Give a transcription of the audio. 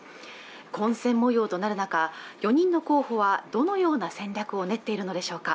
混戦模様となる中、４人の候補はどのような戦略を練っているのでしょうか